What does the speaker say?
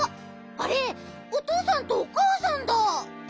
あれおとうさんとおかあさんだ。